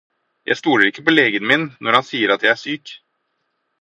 Jeg stoler ikke på legen min når han sier at jeg er syk.